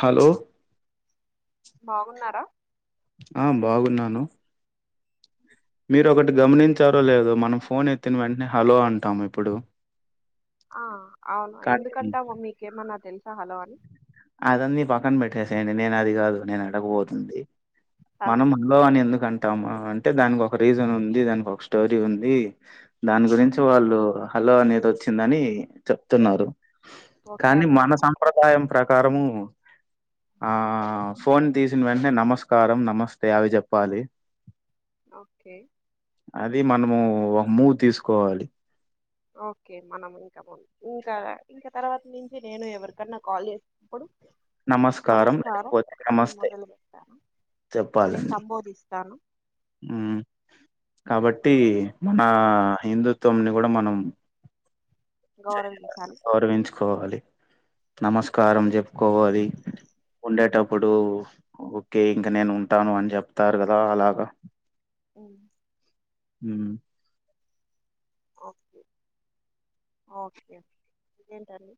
Hello బాగున్నారా ఆ బాగున్నాను మీరు ఒకటి గమనించారో లేదు మనం ఫోన్ ఎత్తిన వెంటనే హలో అంటాము ఎప్పుడు ఆ అవును ఎందుకంటామొ మీకేమన్నా తెలుసా హలో అని అదన్నీ పక్కన పెట్టేసేయండి నేను అది కాదు నేను అడగబోతుంది ఆ మనం అలో అని ఎందుకు అంటామ్ అంటే దానికి ఒక రీజన్ ఉంది దానికి ఒక స్టోరీ ఉంది దాని గురించి ఓకే వాళ్ళు హలో అనేది వచ్చిందని ఉమ్, చెప్తున్నారు ఓకే కానీ అని మన నాకు సంంప్రదాయం ప్రకారము ఆ ఫోన్ తీసిన వెంటనే నమస్కారం నమస్తే అవి చెప్పాలి ఓకే అది మనము ఒక మూవ్ తీసుకోవాలి ఓకే మనం ఇంకా మనం ఇంకా ఇంకా తర్వాత నుంచి నేను ఎవరికన్నా కాల్ చేసినప్పుడు నమస్కారం లేకపోతే అని నమస్తే మొదలు పెట్టాను అని సంబోధిస్తాను ఉమ్ కాబట్టి మన ఉమ్, హిందుత్వం ని కూడా మనం గౌరవించాలి గౌరవించుకోవాలి నమస్కారం చెప్పుకోవాలి ఉండేటప్పుడు ఓకే ఇంక నేను ఉంటాను అని చెప్తారు కదా అలాగా ఉమ్ ఉమ్ ఓకే ఓకే ఇంకెంటండి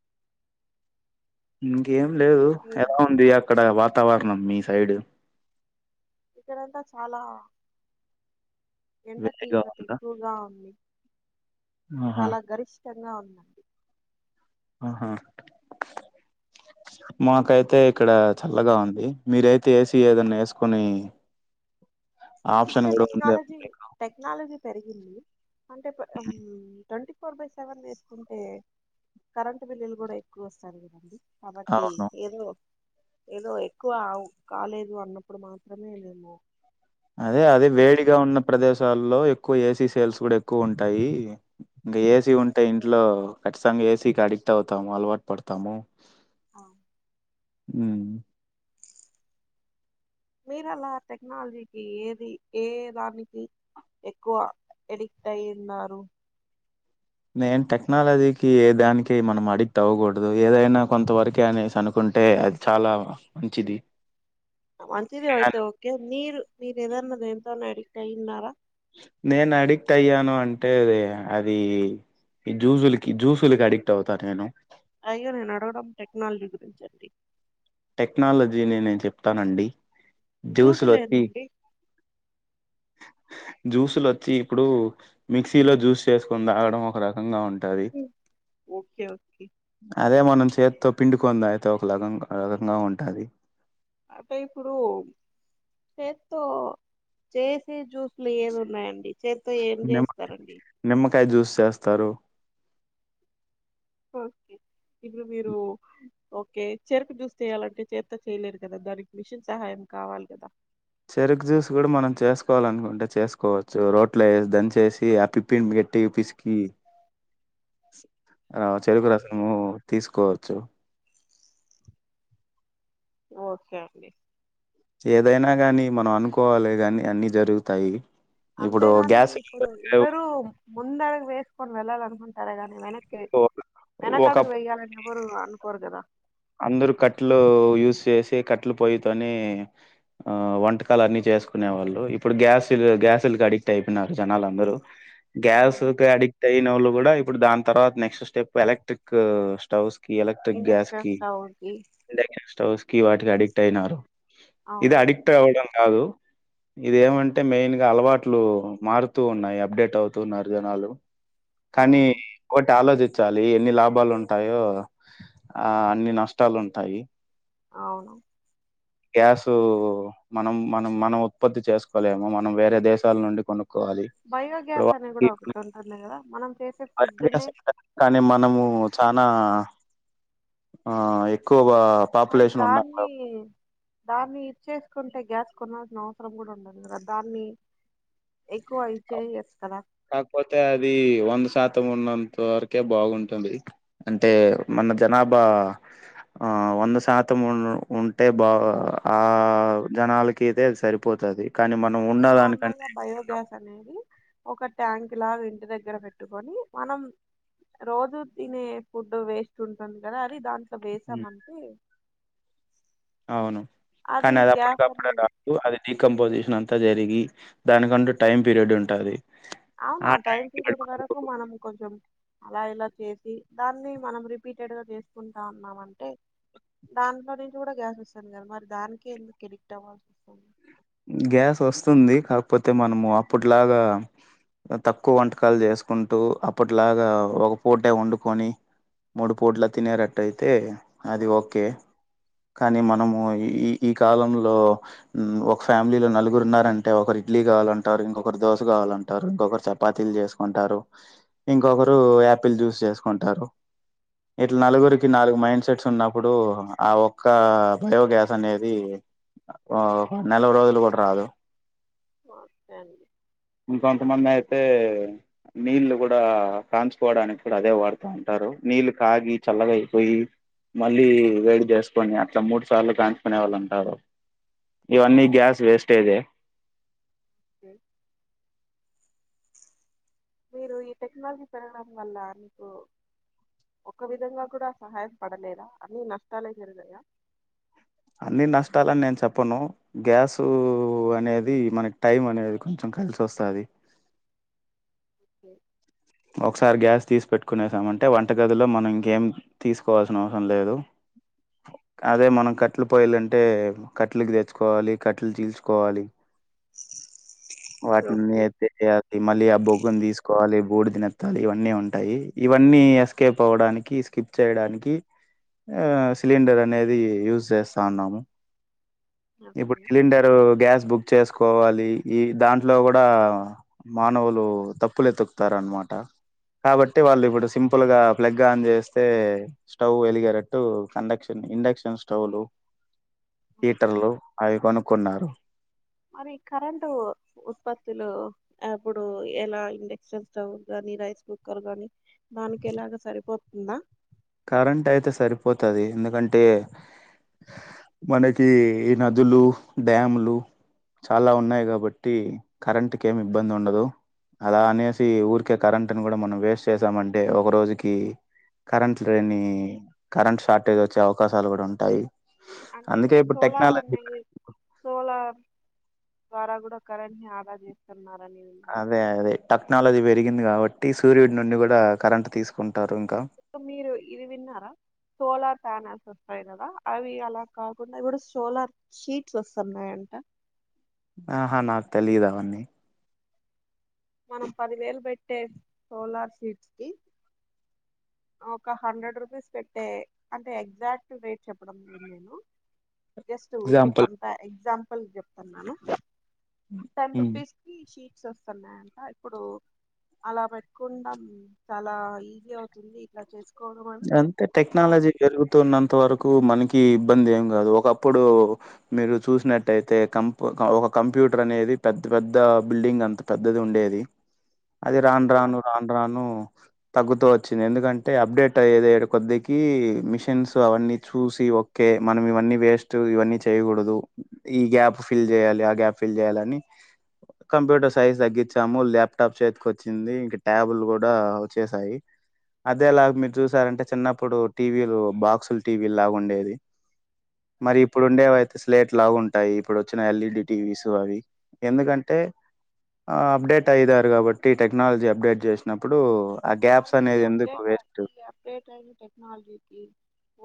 ఇంకేం లేదు మీరు ఎలా ఉంది అక్కడ వాతావరణం మీ సైడు ఇక్కడంతా చాలా ఎండ వేడిగా తీవ్రత ఉందా? ఎక్కువగా ఉంది ఆహా! చాలా గరిష్ ష్టంగా ఉందండి అహా మాకైతే ఇక్కడ చల్లగా ఉంది మీరైతే ఏసి ఏదన్నా ఎస్కోని అంటే టెక్నాలజీ మీకు. టెక్నాలజీ పెరిగింది అంటే ఉమ్ ట్వంటీ ఫోర్ బై సెవెన్ వేస్కుంటే కరెంట్ బిల్లులు గుడా ఎక్కువొస్తారు గదండి కబట్టి అవును. ఏదో ఏదో ఎక్కువ అవ్ కాలేదు అన్నప్పుడు మాత్రమే మేము అదే అదే ఏసి వేడిగా ఉన్న ప్రదేశాల్లో ఎక్ క్కువ ఏసీ సేల్స్ కూడా ఎక్కువ ఉంటాయి ఇంకా ఏసీ ఉంటే ఇంట్లో ఖచ్చితంగా ఏసీ కడిక్ట్ ట్ అవుతాము అలవాట్ పడతాము అ ఉమ్ మీరేలా టెక్నాలజీకి ఏది ఏ దానికి ఎక్కువ ఎడిక్ట్ అయున్నారు నేన్ టెక్నాలజీకి ఏ దానికి మనం అడిక్ట్ అవ్వగుడదు ఏదైనా కొంత వరకే అనేసి అనుకుట్ అంటే అది చాలా మంచిది మంచిదే అయితే ఓకే మీరు మీర్ ఏదన్న దేనితోన్నా అడిక్ట్ అయిన్నార నేను అడిక్ట్ అయ్యాను అంటే అది ఈ జూసులకి జూసులికి అడిక్ట్ అవుతా నేను అయ్యో నేన్ అడగడం టెక్నాలజీ గురించండి టెక్నాలజీనే నేన్ చెప్తానండి జ్యూసులొచ్చి జూసులేదండి జ్యూసులోచ్చి ఇప్పుడు మిక్సీలో జ్యూస్ చేస్కొని తాగడం ఒక రకంగా ఉంట్ టది ఓకే ఓకే అదే మనం చేతో పిండుకొని తాగితే ఒకలగంగా అదోరకంగా ఉంటాది అంటే ఇప్పుడు చేత్తో చేసే జ్యూస్లు ఏవి ఉన్నాయండి చేత్తో ఏం జేస్తారండి తై జ్యూస్ చేస్తారు ఓకే ఇప్పుడు మీరు ఓకే చెరకు జ్యూస్ చెయాలంటే చేతో చేయలేరు గదా దానికి మిషన్ సహాయం యం కావాలి గదా చెరకు జ్యూస్ గుడా మనం చేస్కోవాలనుకుంటే చేస్కోవచ్చు రోట్ల వేసి దంచేసి ఆ పిప్పి గట్ ట్టిగ పిస్కి అ చెరుకు ఓకే రసము తీస్కోవచ్చు ఓకే అండి ఏదైనా గాని మనం అనుకోవాలే గని అన్ని జరుగుతాయి ఇప్పుడు అంతేగాని గ్యాస్ ఇప్పుడు సిలిండర్ లేవు ఎవరు ముందడుగు వేస్కొని వెళ్ళాలనుకుంటారే గాని వెనక్ కె వెనకడుగు వెయ్యాలని ఎవ్వరు అనుకోరు గదా అందరు కట్టలు యూస్ చేసి కట్టలు పోయితోని ఆ వంటకాలన్ని చే చేస్కునే వాళ్ళు ఇప్పుడు గ్యాస్ గ్యాస్ లకి అడిక్ట్ అయిపోయిన్నారు జనలందరూ గ్యాస్ అవును కు అడిక్ట్ అయినోళ్ళు గుడా ఇప్పుడు దాన్ తర్వాత next step electric stoves electric గ్యాస్కి ఒవేన్ కీ కీ వాటికి అడిక్ట్ అయినారు ఇది అవును అడిక్ట్ అవ్వడం గాదు ఇదేంమంటే మెయిన్ గా అలవాట్లు మారుతూ ఉన్నాయి అప్డేట్ అవుతున్నారు జనాలు కానీ అవును ఇంకోటి ఆలోచించాలి ఎన్ని లాభాలు ఉంటాయో ఆ అన్ని నష్ ష్టాలుంటాయి అవును గ్యాసు మనం మనం మనం ఉత్పత్తి చేసుకోలేము మనం వేరే దేశాల నుండి కొనుక్ బయోగ్యాస్ అనేది కూడా ఒకటి ఉంటుంది కదా మనం చేసే ఫుడ్ ని [unintelligible] కానీ మనము చానా ఆ ఎక్కువ ఆ మరి పాపులేషన్ ఉన్నపుడు దాన్ని దాన్ని ఇచ్చేసుకుంటే గ్యాస్ కొనాల్సిన అవసరం కూడా ఉండదు కదా దాన్ని ఎక్కువ ఇచ్చేయచ్చు కదా కాక్పోతే అది వంద సాత్ త్తం ఉన్నంత వరకే బాగుంటుంది అంటే మన జనాభా ఆ వంద శాతం ఉ ఉంటే బా ఆ జనాలకి ఇతే సరిపోతది కానీ మనం అంటే నార్మల్ ఉన్నదానికంటే గా బయోగ్యాస్ అనేది ఒక ట్యాంక్ లాగా ఇంటి దగ్గర పెట్టుకొని మనం రోజు తినే ఫుడ్ వేస్ట్ ఉంటుంది కదా అది దాంట్లో హ్మ్ వేసామంటే అవును కానీ అది గ్యాస్ అప్పుటికప్పుడే అని రాదు అది డికంపోజిషన్ అంతా జరిగి దానికంటూ టైమ్ పీరియడ్ ఉంటది అవున టైం పీరియడ్ వరకు మనము కొంచం అలా ఇలా చేసి దాన్ని మనం రిపీటెడ్ గా చేసుకుంటా ఉన్నామ అంటే దాంట్లో నించి కూడా గ్యాస్ ఓస్తుంది కదా మరి దానికే ఎందుకు ఎడిక్ట్ అవ్వాల్సి ఓస్తుంది గ్యాస్ వస్తుంది కాకపోతే మనము అప్పట్లాగా తక్కువ వంటకాలు చేసుకుంటూ అప్పట్లాగా ఒక పూటే వండుకొని మూడు పుట్ల తినేరట్టయితే అది ఓకే కానీ మనము ఈ ఈ ఈ కాలంలో ఓక్ ఫ్యామిలీ లో నలుగురు ఉన్నారంటే ఒకరు ఇడ్లీ కావాలంటారు ఇంకొకరూ దోశ కావాలంటారు ఇంకొకర్ చపాతీలు చేసుకుంటా టరూ ఇంకొకరు యాపిల్ జ్యూస్ చేసుకుంటారు ఇట్లా నలుగురికి నాలుగు మైండ్ సెట్స్ ఉన్నాప్ ఇప్పుడు ఆ ఒక్క బయోగ్యాస్ అనేది ఆ నలుగు రోజులు ఒకటి రాదు ఓకే అండి ఇంకొంతమంది అయి తె నీళ్లు కూడా కాంచుకోవడానికి కూడా అదే వాడుత ఉంటారు నీళ్లు కాగి చల్లగా అయిపోయి మళ్ళీ వేడి చేసుకొని అట్లా మూడు సార్లు కాంచుకునే వాళ్ళు ఉంటారు ఇవన్నీ గ్యాస్ వేస్టేజే హూ మీరు ఈ టెక్నాలజీ పెరగడం వల్ల మీకు ఒక విధంగా కూడా సహాయం పడలేదా అన్ని నష్టాలే జరిగాయా అన్ని నష్టాలని నేను చెప్పను గ్యాసు అనేది మనకి టైం అనేది కొంచం కలిసస్తాది ఓకే ఒకసారి గ్యాస్ తీసి పెట్టుకునేసామంటే వంటగదిలో మనం ఇంకేం తీసుకోవాల్సిన అవసరం లేదు అదే మనం కట్టలు పోయలంటే కట్టలకి తెచ్చుకోవాలి కట్టెలు తీసుకోవాలి ఓకే వాటిని ఓకే [unintelligible] మళ్ళీ ఆ బొగ్గుని తీసుకోవాలి దినత్తాలు ఇవన్నీ ఉంటాయి ఇవన్నీ ఎస్కేప్ అవ్వడానికి స్కిప్ చేయడానికి ఆ సిలిండర్ అనేది యూజ్ చేస్తా ఉన్నాము ఇప్పుడు ఓకే సిలిండరు గ్యాస్ బుక్ చేసుకోవాలి ఈ దాంట్లో కూడా మానవులు తప్పులు ఎతుకుతారు అనమాట కాబట్టి వాళ్ళు ఇప్పుడు సింపుల్ గా ప్లగ్ ఆన్ చేస్తే స్టవ్ వెలిగేటట్టు కండక్షన్ ఇండక్షన్ స్టవ్లు ఓకే హీటర్లు మరి కరెంటు ఉత్పత్తులు అప్పుడు ఎలా ఇండక్షన్ స్టవ్ గాని రైస్ కుక్కర్ గాని దానికి ఎలాగ సరిపోతుందా కరెంట్ అయితే సరిపోతది ఎందుకంటే మనకి ఈ నదులు డ్యామ్లు చాలా ఉన్నాయి కాబట్టి కరెంట్ కు ఏమి ఇబ్బంది ఉండదు అలా అనేసి ఊరికే కరెంట్ని కూడా మనం వేస్ట్ చేసామంటే ఒక రోజుకి కరెంట్ గాని కరెంట్ షార్టేజ్ వచ్చే అవకాశాలు కూడా ఉంటాయి అంటే అందుకే ఇప్పుడు సోలార్ టెక్నాలజీ అన్నయి సోలార్ ద్వారా కూడా కరెంట్ ఆదా చేస్తున్నారు అదే అదే టెక్నాలజీ పెరిగింది కాబట్టి సూర్యుడి నుండి కూడా కరెంట్ తీసుకుంటారు ఇంకా ఇప్పుడు మీరు ఇది విన్నారా సోలార్ ప్యానెల్స్ వస్తాయి కదా అవి అలా కాకుండా సోలార్ షీట్స్ వస్తున్నాయంట ఆహా నాకు తెలిదు అవన్నీ మనం పదివేలు పెట్టే సోలార్ సీట్స్కి ఒక హండ్రెడ్ రూపీస్ పెట్టే అంటే ఎగ్జాక్ట్ రేట్ చెప్పడం లేదు నేను just okay example compare example చెప్తాన్నాను టెన్ హ్మ్ రూపీస్ కి షీట్స్ వస్తున్నాయి అంట ఇప్పుడు అలా పెట్టుకుండం చాలా ఈజీ అవుతుంది ఇట్లా చేసు అంతే టెక్నాలజీ పేరుగుతున్నంత వరకు మనకి కి ఇబ్బంది ఏం కాదు ఒకప్పుడు మీరు చూసినట్టయితే కం ఒక కంప్యూటర్ అనేది పెద్ద పెద్ద బిల్డింగ్ అంత పెద్దది ఉండేది అది రాను అయ్యో రాను అన్- రాను రాను తగ్గుతూ వచ్చింది ఎందుకంటే అప్డేట్ టయాదేడు కొద్దికి మిషన్స్ అవన్నీ చూసి ఒకే మనం ఇవన్నీ వేస్ట్ ఇవన్నీ చే చేయకూడదు ఈ గ్యాప్ ఫిల్ చేయాలి ఆ గ్యాప్ ఫిల్ చేయాలని కంప్యూటర్ సైజ్ తగ్గించాము ల్యాప్టాప్ చేతికి వచ్చింది ఇంక ట్యాబుల్ కూడా వచ్చేసాయి అదేలాగ్ మీర్ చూసారంటే చినప్పుడు టీవీలు బాక్సులు టీవీలాగుండేది మరి ఇప్పుడు ఉండేవైతే స్ ప్లేట్ లాగుంటాయి ఇప్పుడు వచ్చిన ఎల్ఈడి టీవీసు అవి ఎందుకంటే ఆ అప్డేట్ అయితారు కాబట్టి టెక్నాలజీ అప్డేట్ చేసినప్పుడు ఆ గ్యాప్స్ మరి ఈ అనేది ఎందుకు అప్డేట్ వేస్ట్ ఈ అప్డేట్ అయిన టెక్నాలజీకి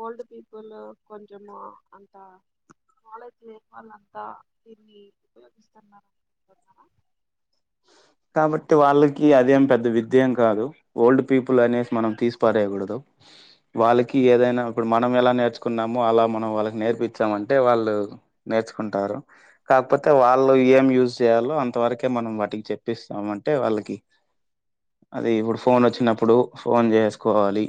ఓల్డ్ పీపుల్ కొంచము అంత నాలెడ్జ్ లేని వాళ్ళంతా దీన్ని ఉపయోగిస్తన్నారు అనుకుంటున్నారు అ కాబట్టి వాళ్ళకి అదేం పెద్ద విద్యమ్ కాదు ఓల్డ్ పీపుల్ అనేసి మనం తీసిపరేయకూడదు వాళ్ళకి ఏదైనా ఇప్పుడు మనం ఎలా నేర్చుకున్నామో అలా మనం వాళ్ళకి నేర్పించమంటే వాళ్ళు నేర్చుకుంటారు కాకపోతే వాళ్ళు ఏం యూజ్ చేయాలో అంతవరకే మనం వాటికి చెప్పిస్తమంటే వాళ్ళకి అది ఇప్పుడు ఫోన్ వచ్చినప్పుడు ఫోన్ చేసుకోవాలి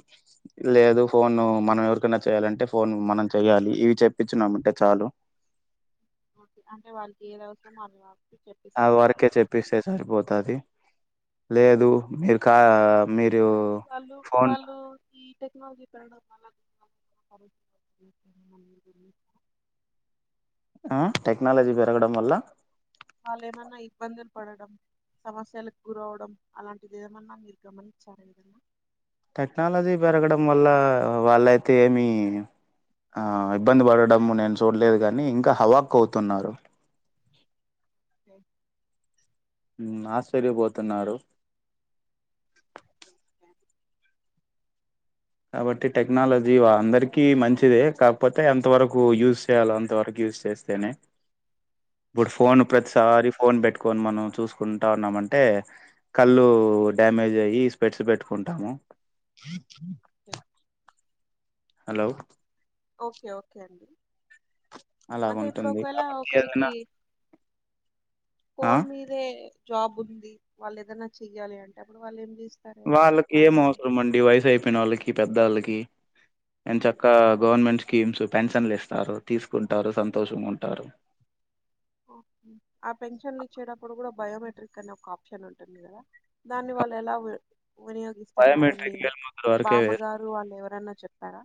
లేదు ఫోన్ మనం ఎరికన్నా చేయాలంటే ఫోన్ మనం చెయాలి ఇవి చెప్పించున్నామంటే చాలు ఓకే అంటే వాళ్ళకి ఏది అవసరం అళ్ వాల్ అది వరకే చెప్పిస్తే సరిపోతుది లేదు మీరు కా మీరు అంటే వాళ్ళు ఫోన్ వాళ్ళు ఈ టెక్నాలజీ పెరగడం వల్ల [unintelligible] ఆ టెక్నాలజీ పెరగడం వల్ల వాళ్ళు ఏమన్నా ఇబ్బందులు పడడం సమస్యలకు గురవడం అలాంటిదిమన్నా మీరు గమనించారు ఏదన్నా టెక్నాలజీ పెరగడం వల్ల వాళ్ళైతే ఏమి ఆ ఇబ్బంది పడడం నేను చూడలేదు కానీ ఇంకా హవాక్ అవుతున్నారు ఏం ఉమ్ ఆశ్చర్యపోతున్నారు కాబట్టి టెక్నాలజీ అందరికీ మంచిదే కాకపోతే ఎంతవరకు యూస్ చేయాలలో అంతవరకు యూజ్ చేస్తేనే ఇప్పుడు ఫోన్ ఓకే. ప్రతిసారి ఫోన్ పెట్ కొని మనం చూసుకుంటా ఉన్నామంటే కళ్ళు డ్యామేజ్ అయ్యి స్పెడ్స్ పెట్టుకుంటాము కే హలో ఓకే ఓకే అండి అంటే ఇప్పుడు అలాగుంటుంది ఒకవేళ కాబట్టి ఏదైనా ఒకరికీ ఆ ఫోన్ మీదే జాబ్ ఉంది వాళ్ళు ఏదన్న చెయ్యాలి అంటే అప్పుడు వాళ్ళు ఏం చేస్ జేస్తారు? ఎలాగా? వాళ్ళకి ఏం అవసరం అండి వయసు అయిపోయినోళ్ళకి పెద్దోళ్ళకి ఏన్ ఆ! చక్కా గవర్నమెంట్ కీమ్స్ పెన్షన్లు ఇస్తారు తీసుకుంటారు సంతోషంగుంటారు ఒకే ఆ పెన్షన్లు ఇచ్చేటప్పుడు గూడ బయోమెట్రిక్ అనే ఒక ఆప్షన్ ఉంటుంది గదా దాన్ని వాళ్ళు ఎలా వి వినియోగిస్తున్నారు మీ బయోమెట్రిక్ వేలిముద్ర వరకే వేస్తారు. బామ్మగారు వాళ్ళు ఎవరన్న చెప్పారా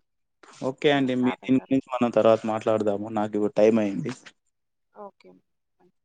ఓకే అండి మీ దిని గురించి మనం తర్వాత మాట్లాడదాము నాకు టైం ఇపుడు అయ్యింది ఓకే అండి